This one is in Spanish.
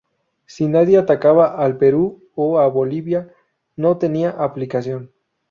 Si nadie atacaba al Perú o a Bolivia, no tenía aplicación.